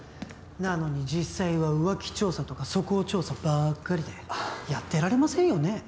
なのに実際は浮気調査とか素行調査ばっかりでやってられませんよね